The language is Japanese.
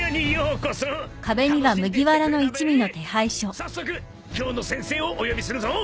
早速今日の先生をお呼びするぞ。